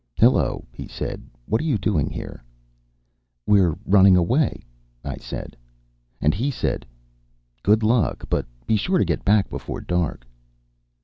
"Hello," he said. "What are you doing here?" "We're running away," I said. And he said, "Good luck. But be sure and get back before dark."